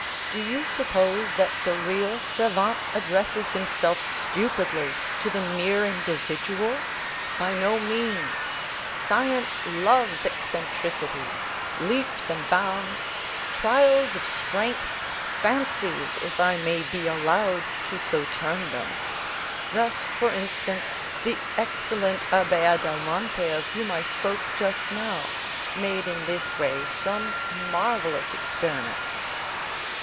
"Do you suppose that the real savant addresses himself stupidly to the mere individual? By no means. Science loves eccentricities, leaps and bounds, trials of strength, fancies, if I may be allowed so to term them. Thus, for instance, the excellent Abbé Adelmonte, of whom I spoke just now, made in this way some marvellous experiments."